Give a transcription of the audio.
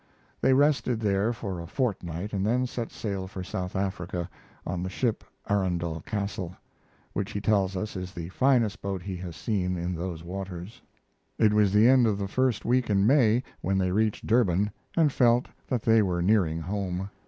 They rested there for a fortnight and then set sail for South Africa on the ship Arundel Castle, which he tells us is the finest boat he has seen in those waters. It was the end of the first week in May when they reached Durban and felt that they were nearing home.